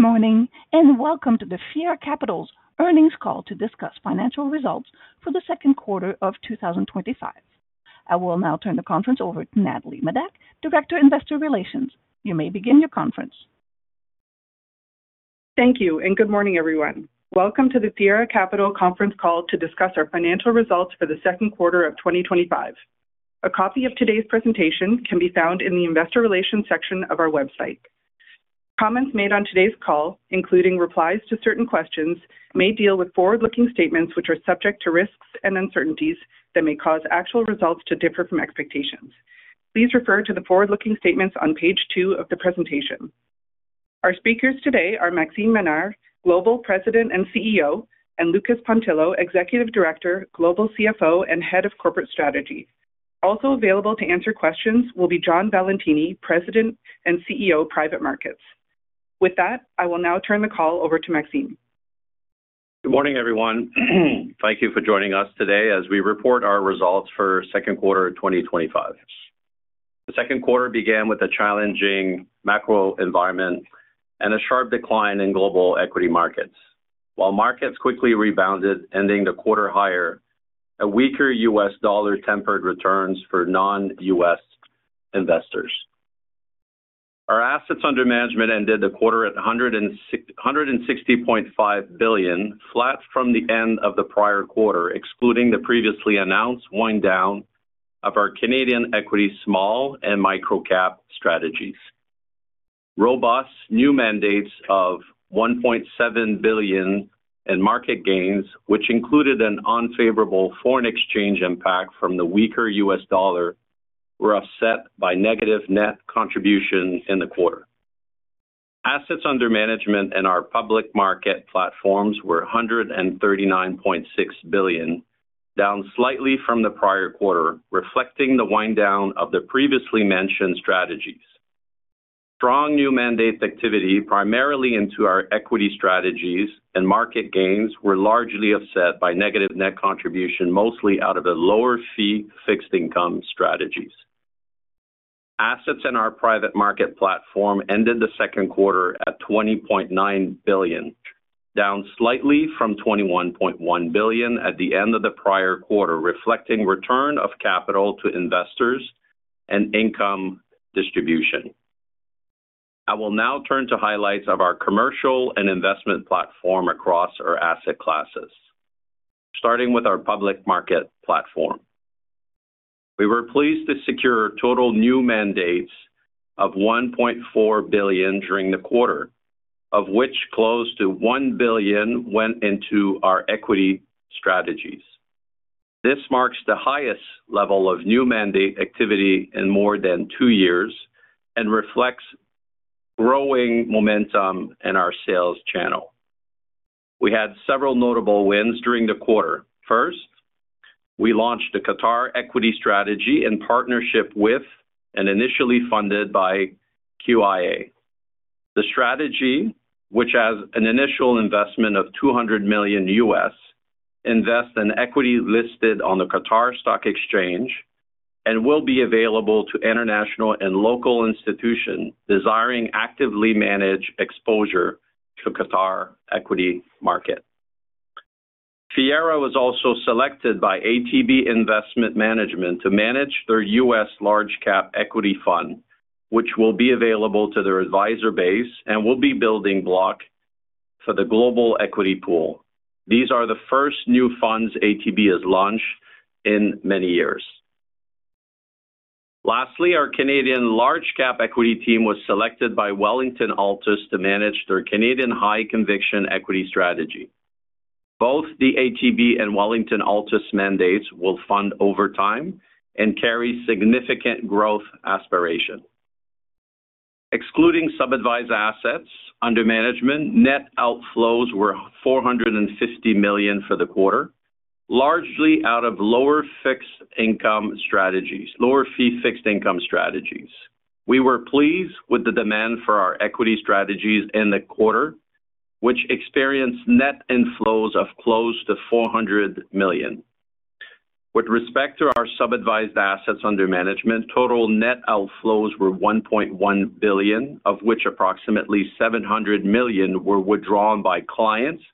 Morning and welcome to Fiera Capital's Earnings Call to Discuss Financial Results for the Second Quarter of 2025. I will now turn the conference over to Natalie Medak, Director of Investor Relations. You may begin your conference. Thank you, and good morning, everyone. Welcome to the Fiera Capital Conference Call to Discuss Our Financial Results for the Second Quarter of 2025. A copy of today's presentation can be found in the investor relations section of our website. Comments made on today's call, including replies to certain questions, may deal with forward-looking statements, which are subject to risks and uncertainties that may cause actual results to differ from expectations. Please refer to the forward-looking statements on page two of the presentation. Our speakers today are Maxime Ménard, Global President and CEO, and Lucas Pontillo, Executive Director, Global CFO, and Head of Corporate Strategy. Also available to answer questions will be John Valentini, President and CEO, Private Markets. With that, I will now turn the call over to Maxime. Good morning, everyone. Thank you for joining us today as we report our results for the second quarter of 2025. The second quarter began with a challenging macro environment and a sharp decline in global equity markets. While markets quickly rebounded, ending the quarter higher, a weaker U.S. dollar tempered returns for non-U.S. investors. Our assets under management ended the quarter at 160.5 billion, flat from the end of the prior quarter, excluding the previously announced wind-down of our Canadian equity small and micro-cap strategies. Robust new mandates of 1.7 billion in market gains, which included an unfavorable foreign exchange impact from the weaker U.S. dollar, were offset by negative net contribution in the quarter. Assets under management in our public market platforms were 139.6 billion, down slightly from the prior quarter, reflecting the wind-down of the previously mentioned strategies. Strong new mandate activity, primarily into our equity strategies and market gains, were largely offset by negative net contribution, mostly out of the lower-fee fixed income strategies. Assets in our private market platform ended the second quarter at 20.9 billion, down slightly from 21.1 billion at the end of the prior quarter, reflecting return of capital to investors and income distribution. I will now turn to highlights of our commercial and investment platform across our asset classes. Starting with our public market platform, we were pleased to secure total new mandates of 1.4 billion during the quarter, of which close to 1 billion went into our equity strategies. This marks the highest level of new mandate activity in more than two years and reflects growing momentum in our sales channel. We had several notable wins during the quarter. First, we launched the Qatar Equity Strategy in partnership with and initially funded by QIA. The strategy, which has an initial investment of $200 million, invests in equities listed on the Qatar Stock Exchange and will be available to international and local institutions desiring actively managed exposure to the Qatar equity market. Fiera was also selected by ATB Investment Management to manage their U.S. large-cap equity fund, which will be available to their advisor base and will be a building block for the global equity pool. These are the first new funds ATB has launched in many years. Lastly, our Canadian large-cap equity team was selected by Wellington-Altus to manage their Canadian high-conviction equity strategy. Both the ATB and Wellington-Altus mandates will fund over time and carry significant growth aspirations. Excluding subadvised assets under management, net outflows were 450 million for the quarter, largely out of lower-fee fixed income strategies. We were pleased with the demand for our equity strategies in the quarter, which experienced net inflows of close to 400 million. With respect to our subadvised assets under management, total net outflows were 1.1 billion, of which approximately 700 million were withdrawn by clients,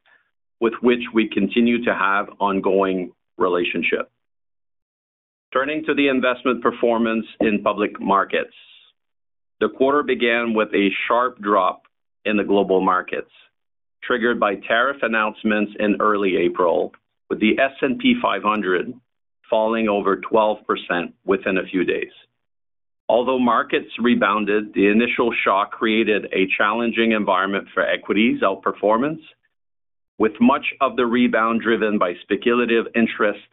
with which we continue to have an ongoing relationship. Turning to the investment performance in public markets, the quarter began with a sharp drop in the global markets, triggered by tariff announcements in early April, with the S&P 500 falling over 12% within a few days. Although markets rebounded, the initial shock created a challenging environment for equities' outperformance, with much of the rebound driven by speculative interest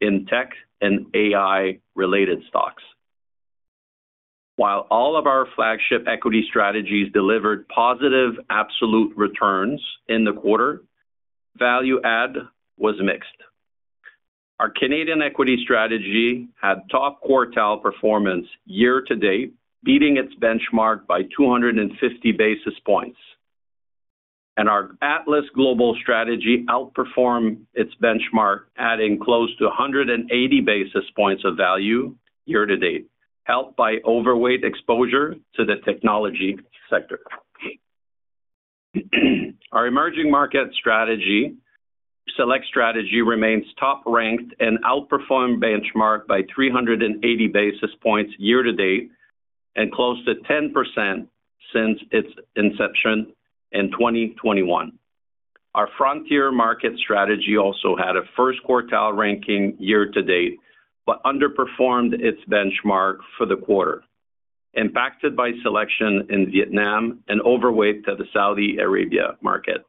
in tech and AI-related stocks. While all of our flagship equity strategies delivered positive absolute returns in the quarter, value-add was mixed. Our Canadian Equity Strategy had top-quartile performance year to date, beating its benchmark by 250 basis points. Our Atlas Global Strategy outperformed its benchmark, adding close to 180 basis points of value year to date, helped by overweight exposure to the technology sector. Our emerging market strategy, Select Strategy, remains top-ranked and outperformed the benchmark by 380 basis points year to date and close to 10% since its inception in 2021. Our Frontier Market Strategy also had a first-quartile ranking year to date but underperformed its benchmark for the quarter, impacted by selection in Vietnam and overweight to the Saudi Arabia market.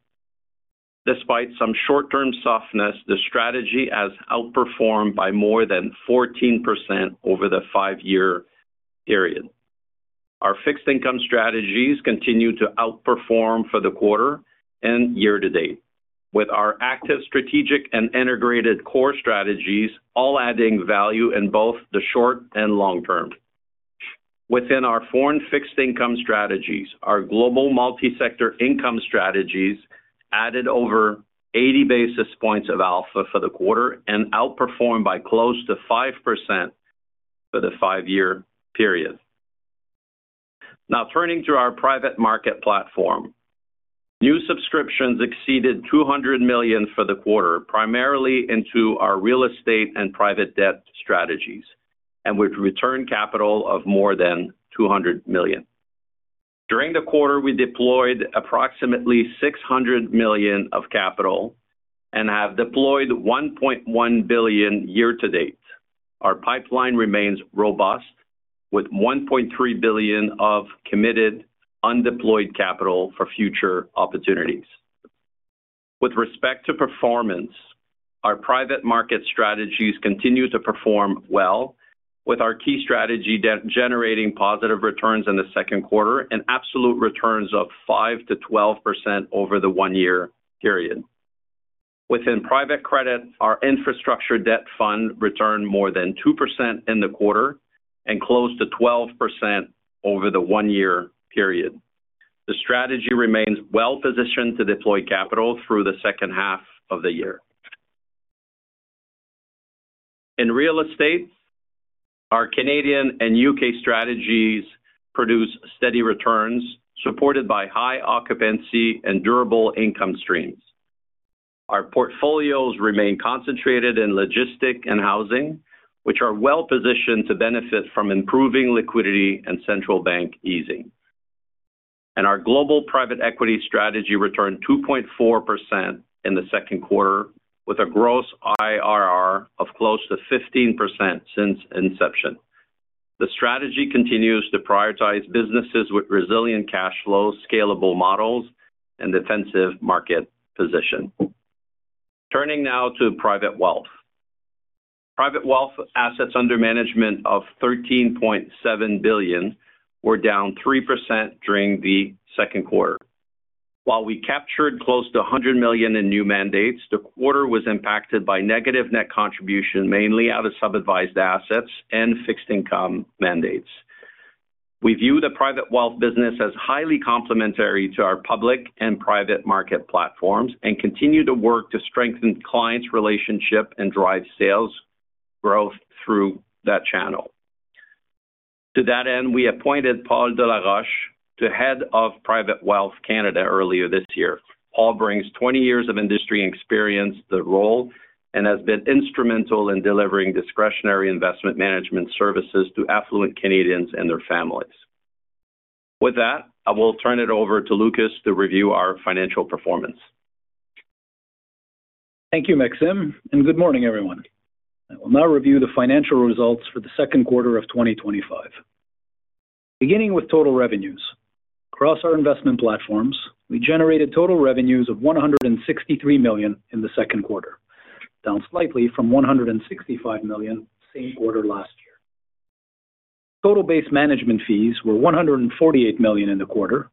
Despite some short-term softness, the strategy has outperformed by more than 14% over the five-year period. Our fixed income strategies continue to outperform for the quarter and year to date, with our active strategic and integrated core strategies all adding value in both the short and long term. Within our foreign fixed income strategies, our global multi-sector income strategies added over 80 basis points of alpha for the quarter and outperformed by close to 5% for the five-year period. Now, turning to our private market platform, new subscriptions exceeded 200 million for the quarter, primarily into our real estate and private debt strategies, with a return capital of more than 200 million. During the quarter, we deployed approximately 600 million of capital and have deployed 1.1 billion year to date. Our pipeline remains robust, with 1.3 billion of committed undeployed capital for future opportunities. With respect to performance, our private market strategies continue to perform well, with our key strategy generating positive returns in the second quarter and absolute returns of 5% to 12% over the one-year period. Within private credit, our infrastructure debt fund returned more than 2% in the quarter and close to 12% over the one-year period. The strategy remains well-positioned to deploy capital through the second half of the year. In real estate, our Canadian and U.K. strategies produce steady returns supported by high occupancy and durable income streams. Our portfolios remain concentrated in logistics and housing, which are well-positioned to benefit from improving liquidity and central bank easing. Our global private equity strategy returned 2.4% in the second quarter, with a gross IRR of close to 15% since inception. The strategy continues to prioritize businesses with resilient cash flows, scalable models, and defensive market position. Turning now to private wealth. Private wealth assets under management of 13.7 billion were down 3% during the second quarter. While we captured close to 100 million in new mandates, the quarter was impacted by negative net contribution, mainly out of subadvised assets and fixed income mandates. We view the private wealth business as highly complementary to our public and private market platforms and continue to work to strengthen client relationships and drive sales growth through that channel. To that end, we appointed Paul de la Roche, the Head of Private Wealth Canada, earlier this year. Paul brings 20 years of industry experience to the role and has been instrumental in delivering discretionary investment management services to affluent Canadians and their families. With that, I will turn it over to Lucas to review our financial performance. Thank you, Maxime, and good morning, everyone. I will now review the financial results for the second quarter of 2025. Beginning with total revenues, across our investment platforms, we generated total revenues of 163 million in the second quarter, down slightly from 165 million same quarter last year. Total base management fees were 148 million in the quarter,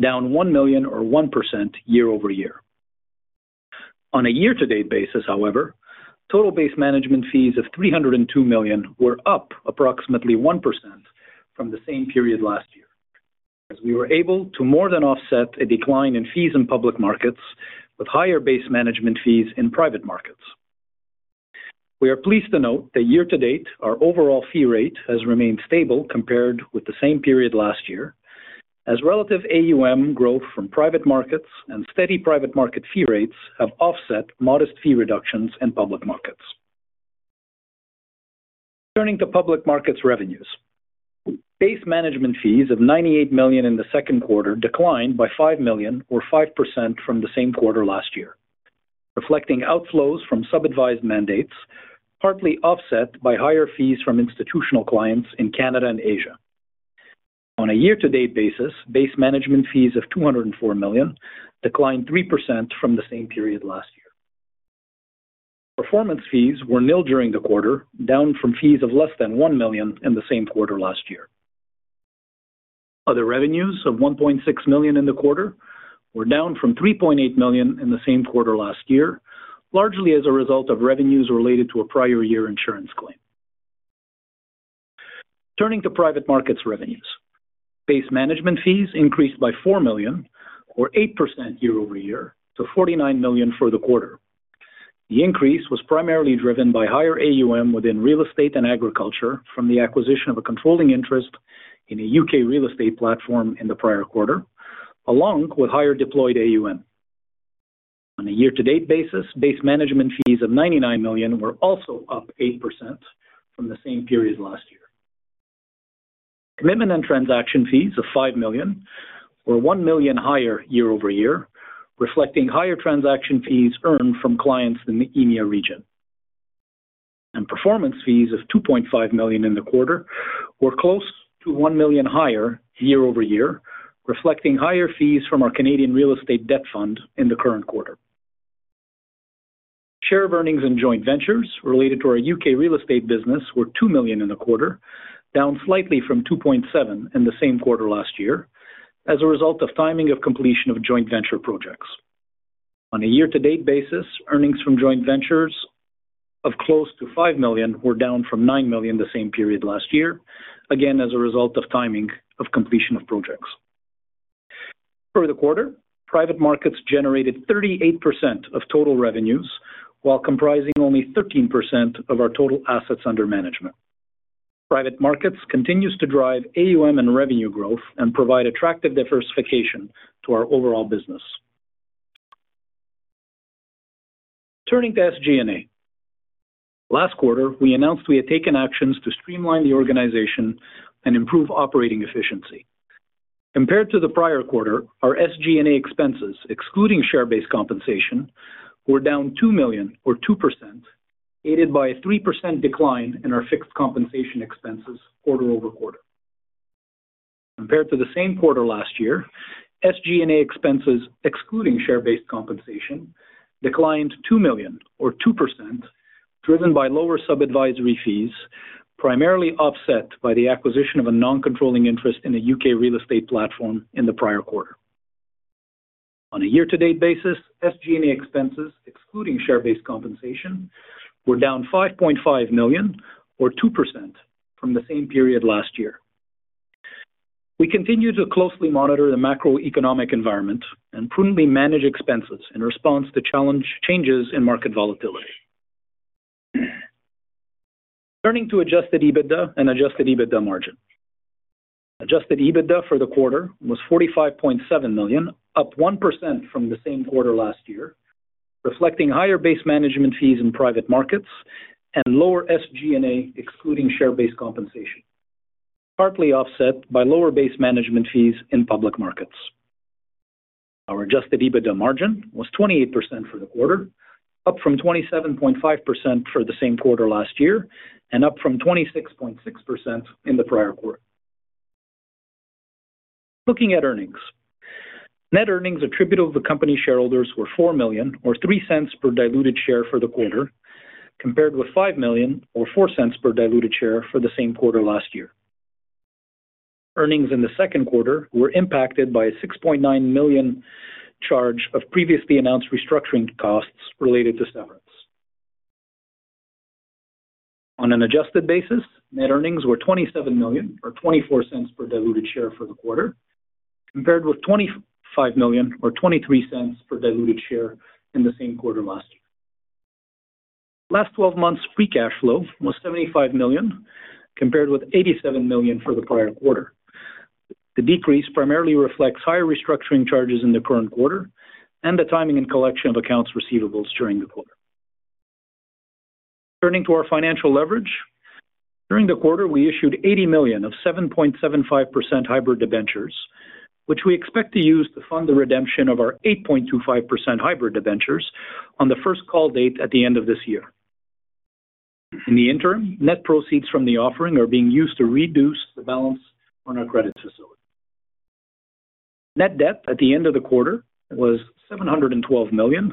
down 1 million or 1% year-over-year. On a year-to-date basis, however, total base management fees of 302 million were up approximately 1% from the same period last year, as we were able to more than offset a decline in fees in public markets with higher base management fees in private markets. We are pleased to note that year to date, our overall fee rate has remained stable compared with the same period last year, as relative AUM growth from private markets and steady private market fee rates have offset modest fee reductions in public markets. Turning to public markets revenues, base management fees of 98 million in the second quarter declined by 5 million or 5% from the same quarter last year, reflecting outflows from subadvised mandates partly offset by higher fees from institutional clients in Canada and Asia. On a year-to-date basis, base management fees of 204 million declined 3% from the same period last year. Performance fees were nil during the quarter, down from fees of less than 1 million in the same quarter last year. Other revenues of 1.6 million in the quarter were down from 3.8 million in the same quarter last year, largely as a result of revenues related to a prior year insurance claim. Turning to private markets revenues, base management fees increased by 4 million or 8% year-over-year to 49 million for the quarter. The increase was primarily driven by higher AUM within real estate and agriculture from the acquisition of a controlling interest in a U.K. real estate platform in the prior quarter, along with higher deployed AUM. On a year-to-date basis, base management fees of 99 million were also up 8% from the same period last year. Commitment and transaction fees of 5 million were 1 million higher year-over-year, reflecting higher transaction fees earned from clients in the EMEA region. Performance fees of 2.5 million in the quarter were close to 1 million higher year-over-year, reflecting higher fees from our Canadian real estate debt fund in the current quarter. Share of earnings in joint ventures related to our U.K. real estate business were 2 million in the quarter, down slightly from 2.7 million in the same quarter last year, as a result of timing of completion of joint venture projects. On a year-to-date basis, earnings from joint ventures of close to 5 million were down from 9 million the same period last year, again as a result of timing of completion of projects. For the quarter, private markets generated 38% of total revenues while comprising only 13% of our total assets under management. Private markets continue to drive AUM and revenue growth and provide attractive diversification to our overall business. Turning to SG&A, last quarter, we announced we had taken actions to streamline the organization and improve operating efficiency. Compared to the prior quarter, our SG&A expenses, excluding share-based compensation, were down 2 million or 2%, aided by a 3% decline in our fixed compensation expenses quarter-over-quarter. Compared to the same quarter last year, SG&A expenses, excluding share-based compensation, declined 2 million or 2%, driven by lower subadvisory fees, primarily offset by the acquisition of a non-controlling interest in a U.K. real estate platform in the prior quarter. On a year-to-date basis, SG&A expenses, excluding share-based compensation, were down 5.5 million or 2% from the same period last year. We continue to closely monitor the macroeconomic environment and prudently manage expenses in response to challenging changes in market volatility. Turning to adjusted EBITDA and adjusted EBITDA margin, adjusted EBITDA for the quarter was 45.7 million, up 1% from the same quarter last year, reflecting higher base management fees in private markets and lower SG&A, excluding share-based compensation, partly offset by lower base management fees in public markets. Our adjusted EBITDA margin was 28% for the quarter, up from 27.5% for the same quarter last year, and up from 26.6% in the prior quarter. Looking at earnings, net earnings attributable to the company shareholders were 4 million or 0.03 per diluted share for the quarter, compared with 5 million or 0.04 per diluted share for the same quarter last year. Earnings in the second quarter were impacted by a 6.9 million charge of previously announced restructuring costs related to severance. On an adjusted basis, net earnings were 27 million or 0.24 per diluted share for the quarter, compared with 25 million or 0.23 per diluted share in the same quarter last year. Last 12 months' free cash flow was 75 million, compared with 87 million for the prior quarter. The decrease primarily reflects higher restructuring charges in the current quarter and the timing and collection of accounts receivables during the quarter. Turning to our financial leverage, during the quarter, we issued 80 million of 7.75% hybrid debentures, which we expect to use to fund the redemption of our 8.25% hybrid debentures on the first call date at the end of this year. In the interim, net proceeds from the offering are being used to reduce the balance on our credit facility. Net debt at the end of the quarter was 712 million,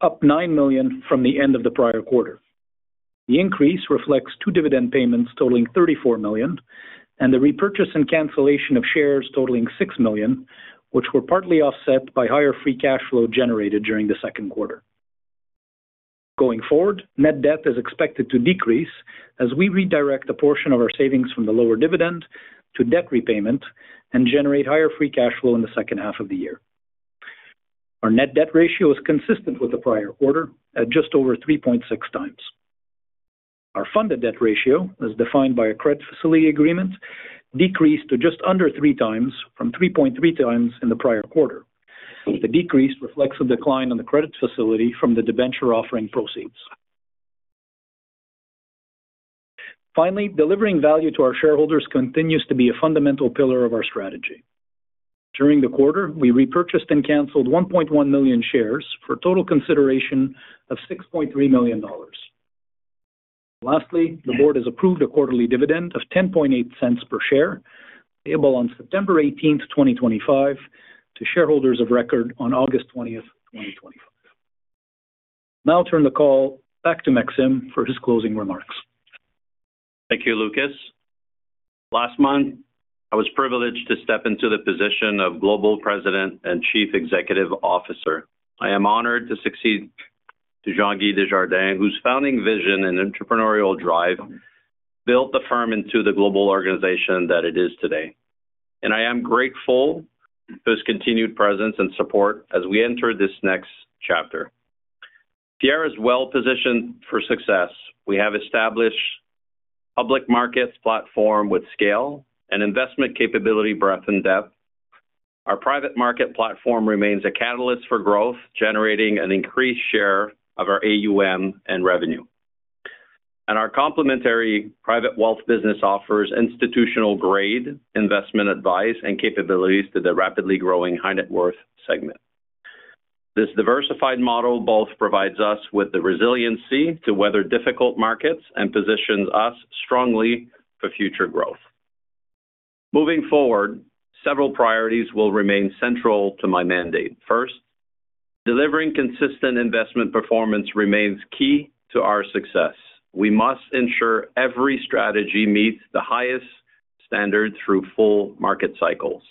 up 9 million from the end of the prior quarter. The increase reflects two dividend payments totaling 34 million and the repurchase and cancellation of shares totaling 6 million, which were partly offset by higher free cash flow generated during the second quarter. Going forward, net debt is expected to decrease as we redirect a portion of our savings from the lower dividend to debt repayment and generate higher free cash flow in the second half of the year. Our net debt ratio is consistent with the prior quarter at just over 3.6x. Our funded debt ratio, as defined by a credit facility agreement, decreased to just under 3x from 3.3x in the prior quarter. The decrease reflects a decline in the credit facility from the debenture offering proceeds. Finally, delivering value to our shareholders continues to be a fundamental pillar of our strategy. During the quarter, we repurchased and canceled 1.1 million shares for a total consideration of 6.3 million dollars. Lastly, the Board has approved a quarterly dividend of 1.08 per share, payable on September 18th, 2025, to shareholders of record on August 20th, 2025. Now I'll turn the call back to Maxime for his closing remarks. Thank you, Lucas. Last month, I was privileged to step into the position of Global President and Chief Executive Officer. I am honored to succeed Jean-Guy Desjardins, whose founding vision and entrepreneurial drive built the firm into the global organization that it is today. I am grateful for his continued presence and support as we enter this next chapter. Fiera is well-positioned for success. We have established a public markets platform with scale and investment capability, breadth, and depth. Our private markets platform remains a catalyst for growth, generating an increased share of our AUM and revenue. Our complementary private wealth business offers institutional-grade investment advice and capabilities to the rapidly growing high-net-worth segment. This diversified model provides us with the resiliency to weather difficult markets and positions us strongly for future growth. Moving forward, several priorities will remain central to my mandate. First, delivering consistent investment performance remains key to our success. We must ensure every strategy meets the highest standards through full market cycles.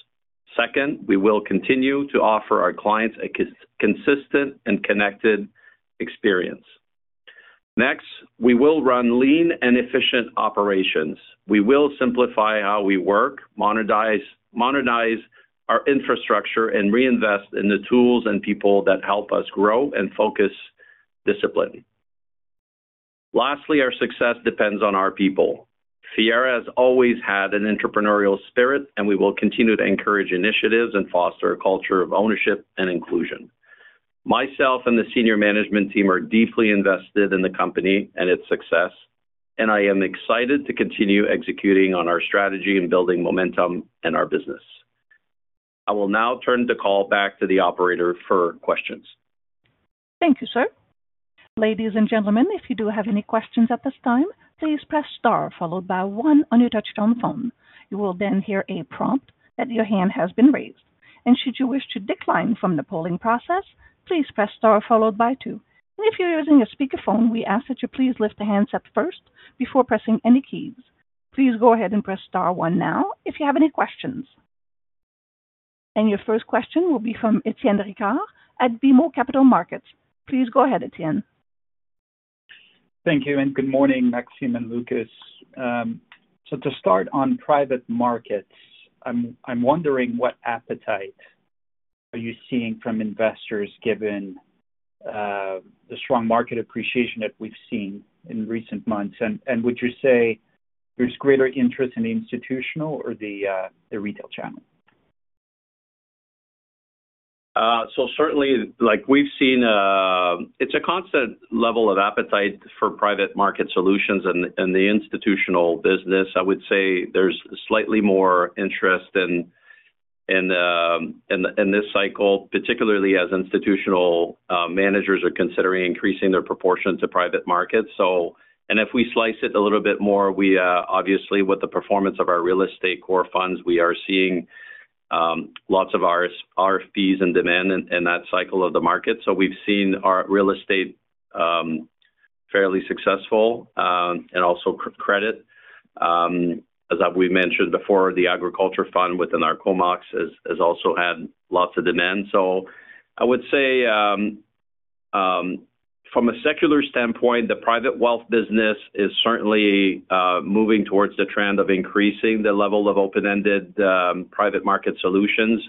Second, we will continue to offer our clients a consistent and connected experience. Next, we will run lean and efficient operations. We will simplify how we work, modernize our infrastructure, and reinvest in the tools and people that help us grow and focus discipline. Lastly, our success depends on our people. Fiera has always had an entrepreneurial spirit, and we will continue to encourage initiatives and foster a culture of ownership and inclusion. Myself and the senior management team are deeply invested in the company and its success, and I am excited to continue executing on our strategy and building momentum in our business. I will now turn the call back to the operator for questions. Thank you, sir. Ladies and gentlemen, if you do have any questions at this time, please press star followed by one on your touch-tone phone. You will then hear a prompt that your hand has been raised. Should you wish to decline from the polling process, please press star followed by two. If you're using a speakerphone, we ask that you please lift the handset first before pressing any keys. Please go ahead and press star one now if you have any questions. Your first question will be from Étienne Ricard at BMO Capital Markets. Please go ahead, Étienne. Thank you, and good morning, Maxime and Lucas. To start on private markets, I'm wondering what appetite are you seeing from investors given the strong market appreciation that we've seen in recent months? Would you say there's greater interest in the institutional or the retail channel? Certainly, like we've seen, it's a constant level of appetite for private market solutions. In the institutional business, I would say there's slightly more interest in this cycle, particularly as institutional managers are considering increasing their proportion to private markets. If we slice it a little bit more, obviously with the performance of our real estate core funds, we are seeing lots of RFPs and demand in that cycle of the market. We've seen our real estate fairly successful and also credit. As we mentioned before, the agriculture fund within our Comox has also had lots of demand. I would say from a secular standpoint, the private wealth business is certainly moving towards the trend of increasing the level of open-ended private market solutions.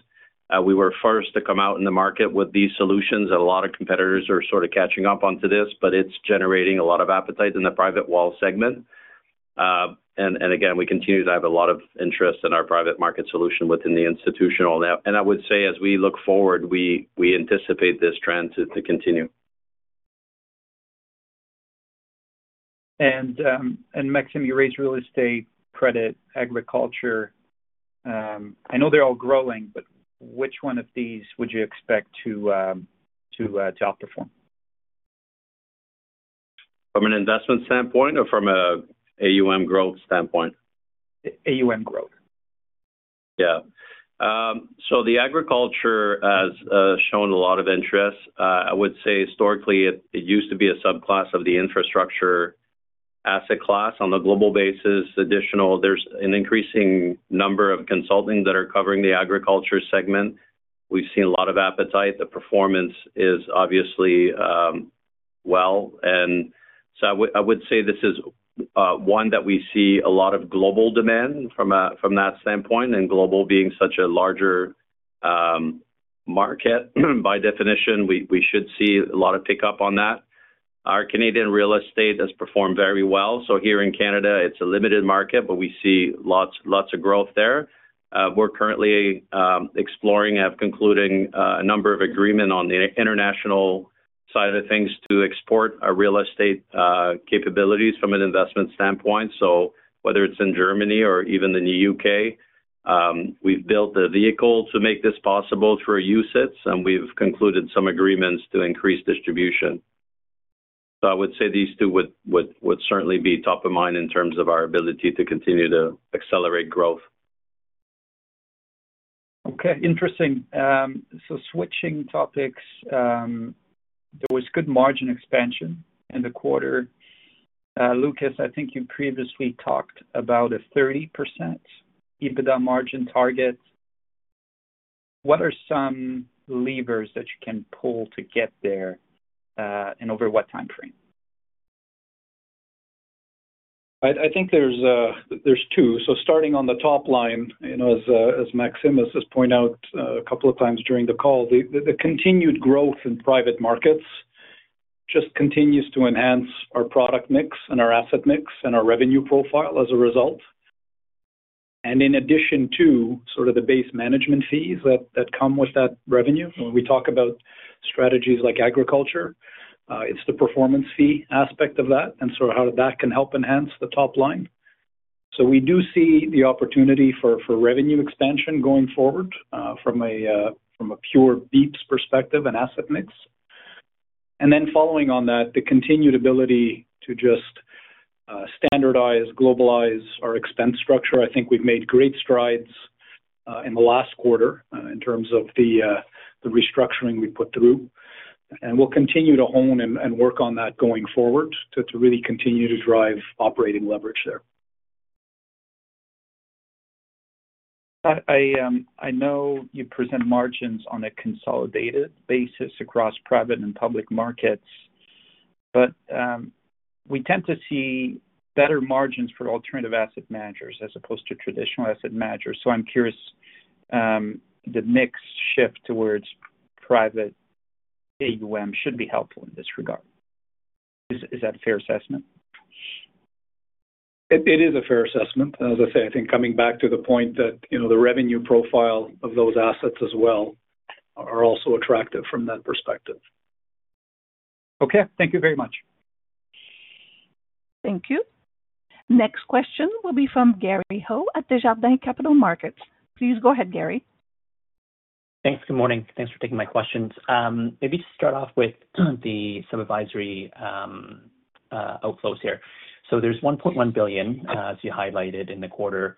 We were first to come out in the market with these solutions, and a lot of competitors are sort of catching up onto this, but it's generating a lot of appetite in the private wealth segment. We continue to have a lot of interest in our private market solution within the institutional. I would say as we look forward, we anticipate this trend to continue. Maxime, you raised real estate, credit, agriculture. I know they're all growing, but which one of these would you expect to outperform? From an investment standpoint or from an AUM growth standpoint? AUM growth. Yeah. The agriculture has shown a lot of interest. I would say historically, it used to be a subclass of the infrastructure asset class on a global basis. Additionally, there's an increasing number of consultants that are covering the agriculture segment. We've seen a lot of appetite. The performance is obviously well. I would say this is one that we see a lot of global demand from that standpoint. Global being such a larger market by definition, we should see a lot of pickup on that. Our Canadian real estate has performed very well. Here in Canada, it's a limited market, but we see lots of growth there. We're currently exploring and concluding a number of agreements on the international side of things to export our real estate capabilities from an investment standpoint. Whether it's in Germany or even the U.K., we've built a vehicle to make this possible through a UCITS, and we've concluded some agreements to increase distribution. I would say these two would certainly be top of mind in terms of our ability to continue to accelerate growth. Okay, interesting. Switching topics, there was good margin expansion in the quarter. Lucas, I think you previously talked about a 30% EBITDA margin target. What are some levers that you can pull to get there and over what timeframe? I think there's two. Starting on the top line, you know, as Maxime has pointed out a couple of times during the call, the continued growth in private markets just continues to enhance our product mix and our asset mix and our revenue profile as a result. In addition to sort of the base management fees that come with that revenue, when we talk about strategies like agriculture, it's the performance fee aspect of that and sort of how that can help enhance the top line. We do see the opportunity for revenue expansion going forward from a pure beats perspective and asset mix. Following on that, the continued ability to just standardize, globalize our expense structure. I think we've made great strides in the last quarter in terms of the restructuring we put through. We'll continue to hone and work on that going forward to really continue to drive operating leverage there. I know you present margins on a consolidated basis across private and public markets, but we tend to see better margins for alternative asset managers as opposed to traditional asset managers. I'm curious, the mix shift towards private AUM should be helpful in this regard. Is that a fair assessment? It is a fair assessment. As I say, I think coming back to the point that the revenue profile of those assets as well are also attractive from that perspective. Okay, thank you very much. Thank you. Next question will be from Gary Ho at Desjardins Capital Markets. Please go ahead, Gary. Thanks. Good morning. Thanks for taking my questions. Maybe just start off with the subadvisory outflows here. There's 1.1 billion, as you highlighted, in the quarter.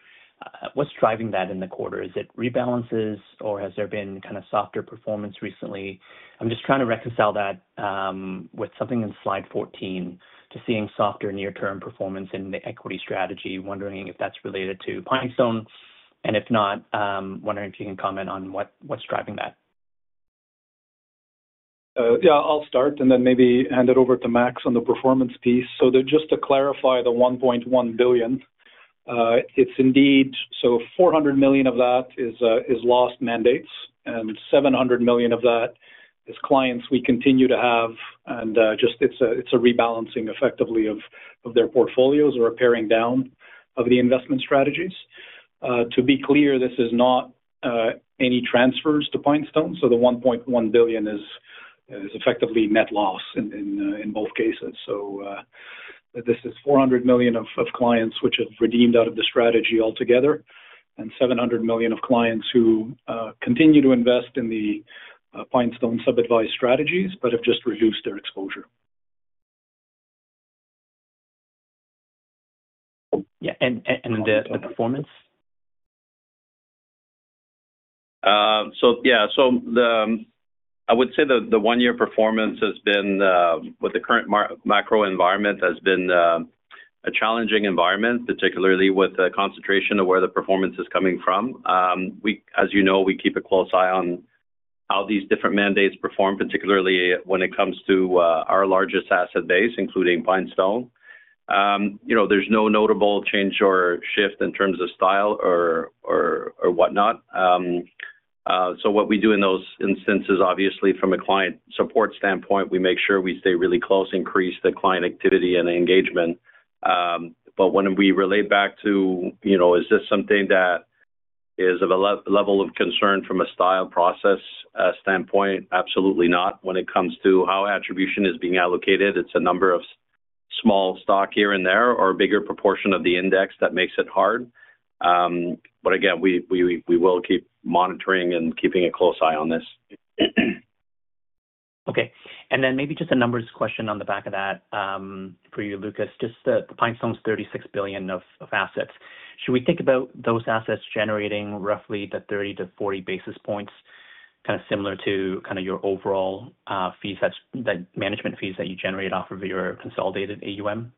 What's driving that in the quarter? Is it rebalances or has there been kind of softer performance recently? I'm just trying to reconcile that with something in slide 14 to seeing softer near-term performance in the equity strategies, wondering if that's related to PineStone. If not, I'm wondering if you can comment on what's driving that. Yeah, I'll start and then maybe hand it over to Maxime on the performance piece. Just to clarify, the 1.1 billion, it's indeed 400 million of that is lost mandates and 700 million of that is clients we continue to have. It's a rebalancing effectively of their portfolios or a paring down of the investment strategies. To be clear, this is not any transfers to PineStone. The 1.1 billion is effectively net loss in both cases. This is 400 million of clients which have redeemed out of the strategy altogether and 700 million of clients who continue to invest in the PineStone subadvised strategies, but have just reduced their exposure. Yeah, the performance? I would say the one-year performance has been, with the current macro environment, a challenging environment, particularly with the concentration of where the performance is coming from. As you know, we keep a close eye on how these different mandates perform, particularly when it comes to our largest asset base, including PineStone. There is no notable change or shift in terms of style or whatnot. What we do in those instances, obviously, from a client support standpoint, is make sure we stay really close, increase the client activity and engagement. When we relate back to, you know, is this something that is of a level of concern from a style process standpoint? Absolutely not. When it comes to how attribution is being allocated, it's a number of small stock here and there or a bigger proportion of the index that makes it hard. We will keep monitoring and keeping a close eye on this. Okay, and then maybe just a numbers question on the back of that for you, Lucas. Just the PineStone's 36 billion of assets. Should we think about those assets generating roughly the 30 basis points-40 basis points, kind of similar to kind of your overall fees, that management fees that you generate off of your consolidated AUM?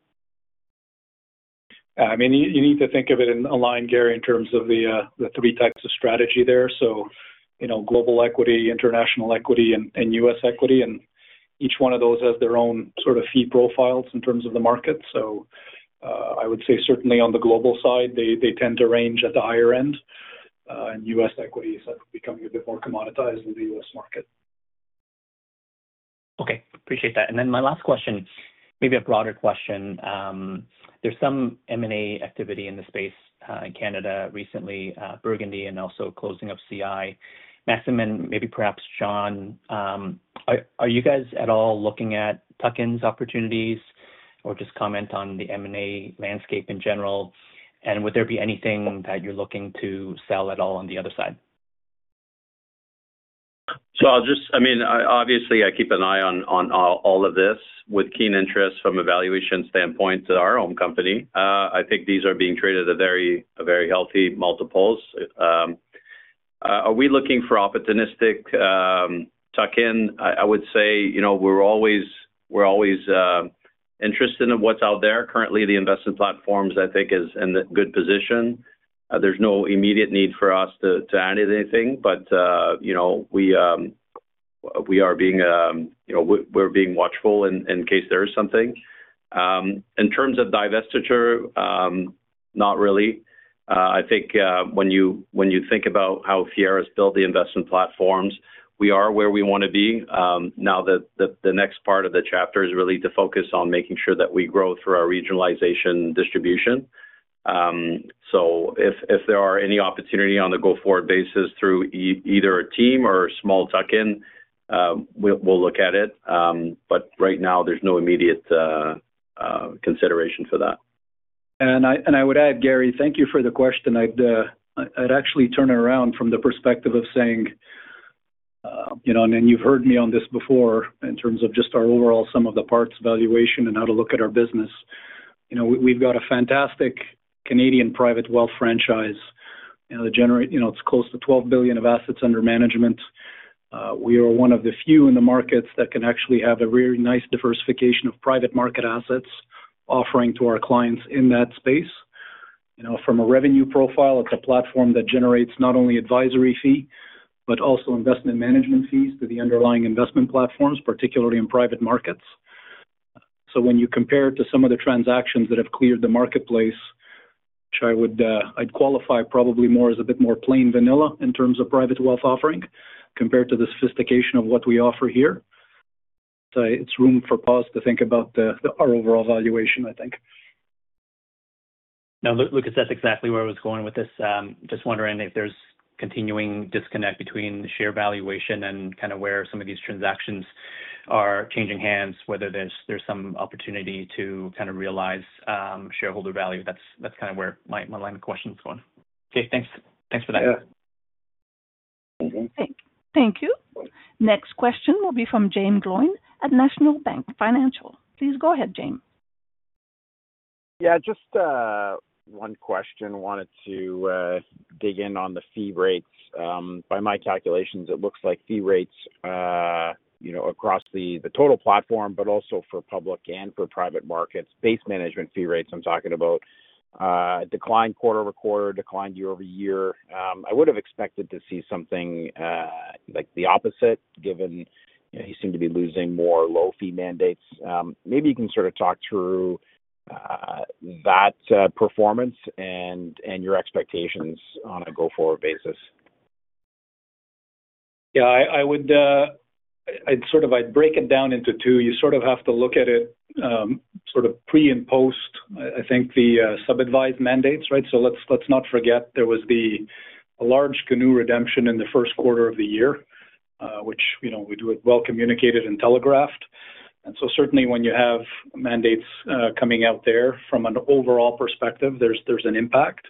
You need to think of it in a line, Gary, in terms of the three types of strategy there. You know, global equity, international equity, and U.S. equity. Each one of those has their own sort of fee profiles in terms of the market. I would say certainly on the global side, they tend to range at the higher end. U.S. equities are becoming a bit more commoditized in the U.S. market. Okay, appreciate that. My last question, maybe a broader question. There's some M&A activity in the space in Canada recently, Burgundy, and also closing of CI. Maxime, and maybe perhaps John, are you guys at all looking at tuck-in opportunities or just comment on the M&A landscape in general? Would there be anything that you're looking to sell at all on the other side? I keep an eye on all of this with keen interest from an evaluation standpoint to our own company. I think these are being traded at very healthy multiples. Are we looking for opportunistic tuck-ins? I would say, you know, we're always interested in what's out there. Currently, the investment platforms, I think, are in a good position. There's no immediate need for us to add anything, but you know, we are being watchful in case there is something. In terms of divestiture, not really. I think when you think about how Fiera has built the investment platforms, we are where we want to be. The next part of the chapter is really to focus on making sure that we grow through our regionalization and distribution. If there are any opportunities on the go-forward basis through either a team or a small tuck-in, we'll look at it. Right now, there's no immediate consideration for that. I would add, Gary, thank you for the question. I'd actually turn it around from the perspective of saying, you know, and you've heard me on this before in terms of just our overall sum of the parts valuation and how to look at our business. We've got a fantastic Canadian private wealth franchise. It's close to 12 billion of assets under management. We are one of the few in the markets that can actually have a very nice diversification of private market assets offering to our clients in that space. From a revenue profile, it's a platform that generates not only advisory fees, but also investment management fees to the underlying investment platforms, particularly in private markets. When you compare it to some of the transactions that have cleared the marketplace, which I'd qualify probably more as a bit more plain vanilla in terms of private wealth offering compared to the sophistication of what we offer here, it's room for pause to think about our overall valuation, I think. Now, Lucas, that's exactly where I was going with this. Just wondering if there's continuing disconnect between the share valuation and kind of where some of these transactions are changing hands, whether there's some opportunity to kind of realize shareholder value. That's kind of where my line of questions is going. Okay, thanks for that. Thank you. Next question will be from Jaeme Gloyn at National Bank Financial. Please go ahead, Jaeme. Yeah, just one question. I wanted to dig in on the fee rates. By my calculations, it looks like fee rates, you know, across the total platform, but also for public and for private markets, base management fee rates I'm talking about, declined quarter-over-quarter, declined year-over-year. I would have expected to see something like the opposite, given you seem to be losing more low-fee mandates. Maybe you can sort of talk through that performance and your expectations on a go-forward basis. Yeah, I'd sort of break it down into two. You sort of have to look at it pre and post, I think, the subadvised mandates, right? Let's not forget there was a large Canoe redemption in the first quarter of the year, which we do it well communicated and telegraphed. Certainly, when you have mandates coming out there from an overall perspective, there's an impact.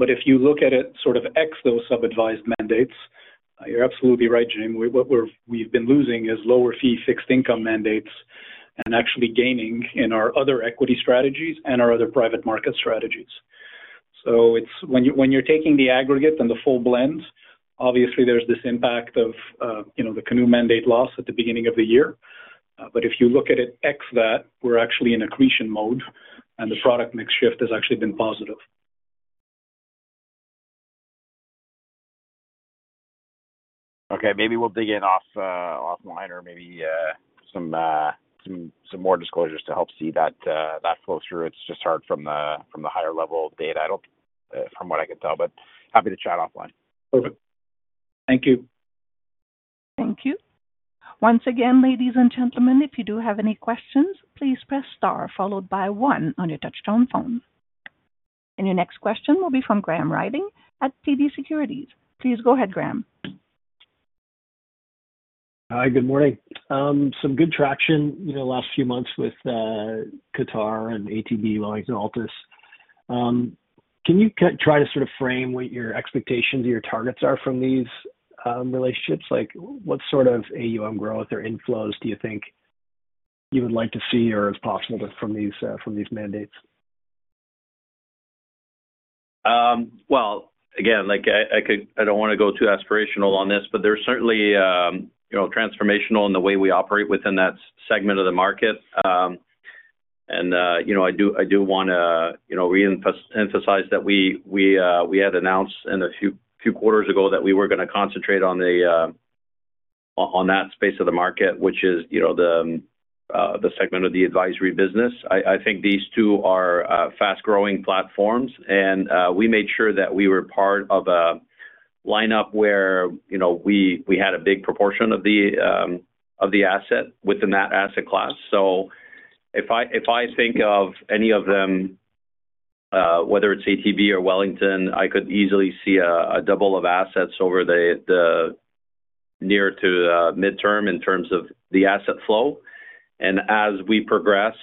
If you look at it ex those subadvised mandates, you're absolutely right, Jaeme. What we've been losing is lower-fee fixed income mandates and actually gaining in our other equity strategies and our other private market strategies. When you're taking the aggregate and the full blend, obviously there's this impact of the Canoe mandate loss at the beginning of the year. If you look at it ex that, we're actually in accretion mode and the product mix shift has actually been positive. Okay, maybe we'll dig in offline or maybe some more disclosures to help see that flow through. It's just hard from the higher level of data. I don't think from what I can tell, but happy to chat offline. Perfect. Thank you. Thank you. Once again, ladies and gentlemen, if you do have any questions, please press star followed by one on your touch-tone phone. Your next question will be from Graham Ryding at TD Securities. Please go ahead, Graham. Hi, good morning. Some good traction, you know, the last few months with Qatar and ATB, Wellington-Altus. Can you try to sort of frame what your expectations or your targets are from these relationships? Like what sort of AUM growth or inflows do you think you would like to see or is possible from these mandates? I don't want to go too aspirational on this, but there's certainly transformational in the way we operate within that segment of the market. I do want to reemphasize that we had announced a few quarters ago that we were going to concentrate on that space of the market, which is the segment of the advisory business. I think these two are fast-growing platforms, and we made sure that we were part of a lineup where we had a big proportion of the asset within that asset class. If I think of any of them, whether it's ATB or Wellington, I could easily see a double of assets over the near to midterm in terms of the asset flow. As we progress,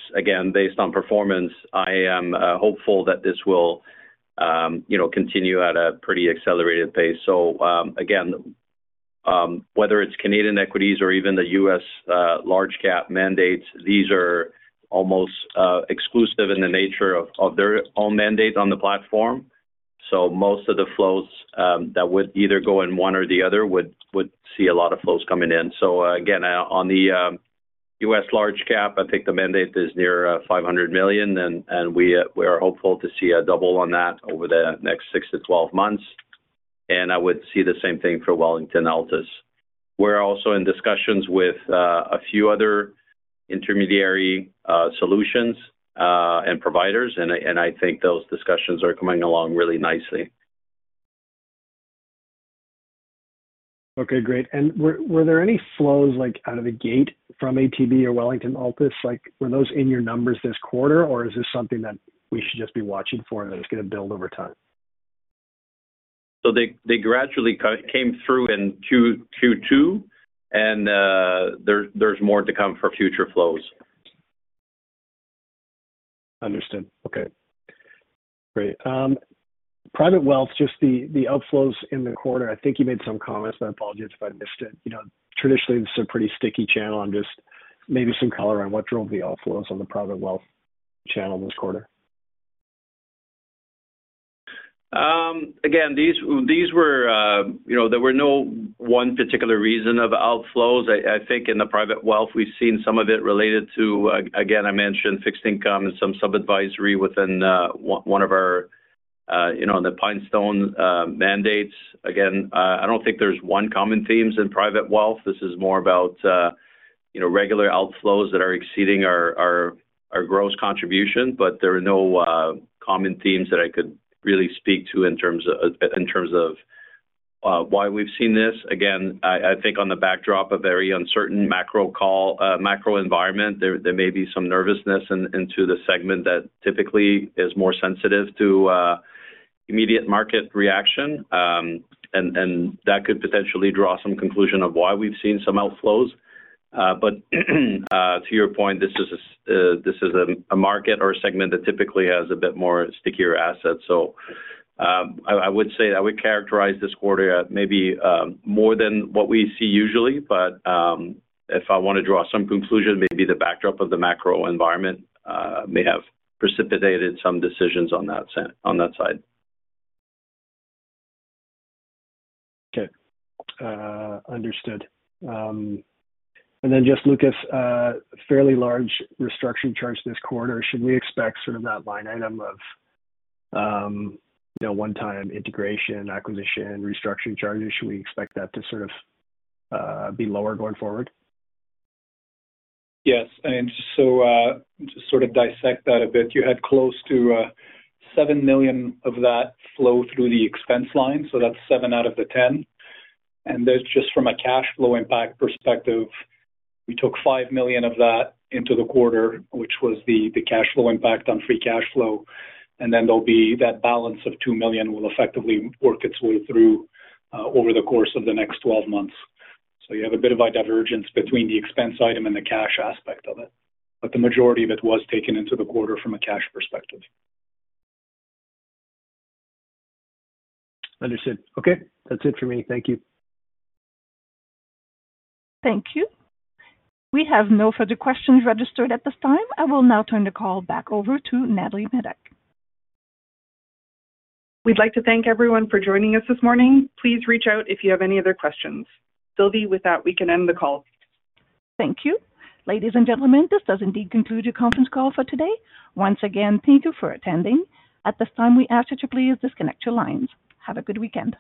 based on performance, I am hopeful that this will continue at a pretty accelerated pace. Whether it's Canadian equities or even the U.S. large-cap mandates, these are almost exclusive in the nature of their own mandate on the platform. Most of the flows that would either go in one or the other would see a lot of flows coming in. On the U.S. large-cap, I think the mandate is near 500 million, and we are hopeful to see a double on that over the next 6-12 months. I would see the same thing for Wellington-Altus. We're also in discussions with a few other intermediary solutions and providers, and I think those discussions are coming along really nicely. Okay, great. Were there any flows out of the gate from ATB or Wellington-Altus? Were those in your numbers this quarter, or is this something that we should just be watching for that is going to build over time? They gradually came through in Q2, and there's more to come for future flows. Understood. Okay. Great. Private wealth, just the outflows in the quarter, I think you made some comments, but I apologize if I missed it. Traditionally, this is a pretty sticky channel. Maybe some color on what drove the outflows on the private wealth channel this quarter. Again, there were no one particular reason of outflows. I think in the private wealth, we've seen some of it related to, again, I mentioned fixed income and some subadvisory within one of our PineStone mandates. I don't think there's one common theme in private wealth. This is more about regular outflows that are exceeding our gross contribution. There are no common themes that I could really speak to in terms of why we've seen this. I think on the backdrop of a very uncertain macro environment, there may be some nervousness into the segment that typically is more sensitive to immediate market reaction. That could potentially draw some conclusion of why we've seen some outflows. To your point, this is a market or a segment that typically has a bit more stickier assets. I would say I would characterize this quarter at maybe more than what we see usually. If I want to draw some conclusion, maybe the backdrop of the macro environment may have precipitated some decisions on that side. Okay. Understood. Lucas, fairly large restructuring charge this quarter. Should we expect that line item of one-time integration, acquisition, restructuring charges to be lower going forward? Yes, just to sort of dissect that a bit. You had close to 7 million of that flow through the expense line. That's 7 million out of the 10 million. From a cash flow impact perspective, we took 5 million of that into the quarter, which was the cash flow impact on free cash flow. The balance of 2 million will effectively work its way through over the course of the next 12 months. You have a bit of a divergence between the expense item and the cash aspect of it. The majority of it was taken into the quarter from a cash perspective. Understood. Okay, that's it for me. Thank you. Thank you. We have no further questions registered at this time. I will now turn the call back over to Natalie Medak. We'd like to thank everyone for joining us this morning. Please reach out if you have any other questions. Sylvie, with that, we can end the call. Thank you. Ladies and gentlemen, this does indeed conclude your conference call for today. Once again, thank you for attending. At this time, we ask you to please disconnect your lines. Have a good weekend.